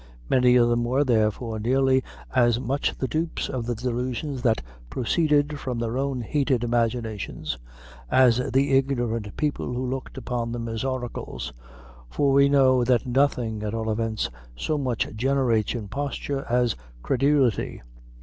Many of them were, therefore, nearly as much the dupes of the delusions that proceeded from their own heated imaginations as the ignorant people who looked upon them as oracles; for we know that nothing at all events so much generates imposture as credulity.